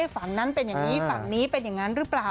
ฝั่งนั้นเป็นอย่างนี้ฝั่งนี้เป็นอย่างนั้นหรือเปล่า